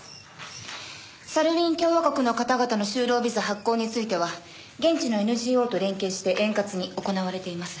サルウィン共和国の方々の就労ビザ発行については現地のＮＧＯと連携して円滑に行われています。